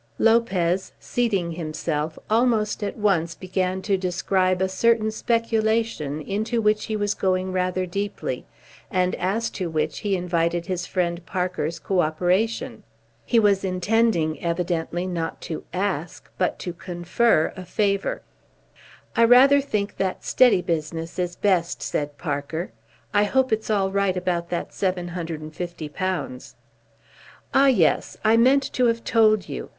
Lopez, seating himself, almost at once began to describe a certain speculation into which he was going rather deeply, and as to which he invited his friend Parker's co operation. He was intending, evidently, not to ask, but to confer, a favour. "I rather think that steady business is best," said Parker. "I hope it's all right about that £750." "Ah; yes; I meant to have told you.